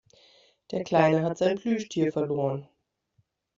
Der Kleine hat sein Plüschtier verloren.